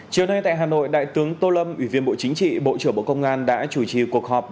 chiều nay tại hà nội đại tướng tô lâm ủy viên bộ chính trị bộ trưởng bộ công an đã chủ trì cuộc họp